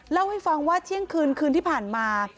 เล่าให้ฟังว่าเที่ยงคืนคืนที่ผ่านมา